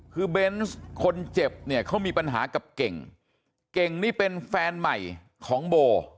คือเบนส์คนเจ็บเนี่ยเขามีปัญหากับเก่งเก่งนี่เป็นแฟนใหม่ของโบ